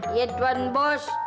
iya tuan bos